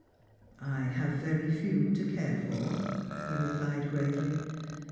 " I have very few to care for," he replied gravely.